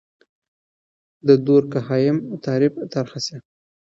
د دورکهايم تعریف طرحه سي.